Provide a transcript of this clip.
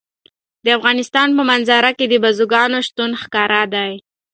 د افغانستان په منظره کې د بزګانو شتون ښکاره دی.